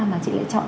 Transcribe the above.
mà chị lựa chọn